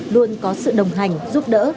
luôn có sự đồng hành giúp đỡ